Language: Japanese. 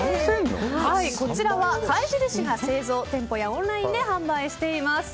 こちらは貝印が製造店舗やオンラインで販売しています。